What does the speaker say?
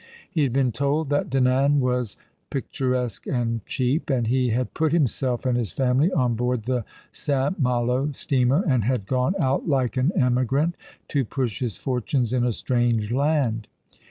He had been told that Dinan was picturesque and cheap : and he had put himself and his family on board the ^t. Malo steamer and had gone out like an emigrant to push his fortunes in a strange land.